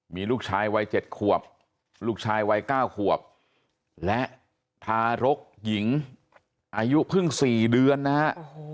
มีลูกชายวัย๗ขวบลูกชายวัย๙ขวบและทารกหญิงอายุเพิ่ง๔เดือนนะฮะ